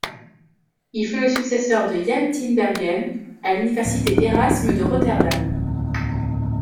Il fut le successeur de Jan Tinbergen à l'université Érasme de Rotterdam.